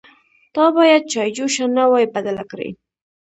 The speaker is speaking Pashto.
_تا بايد چايجوشه نه وای بدله کړې.